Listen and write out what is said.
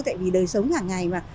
tại vì đời sống hàng ngày mà